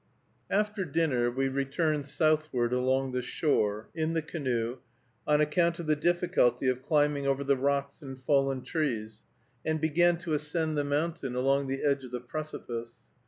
After dinner we returned southward along the shore, in the canoe, on account of the difficulty of climbing over the rocks and fallen trees, and began to ascend the mountain along the edge of the precipice.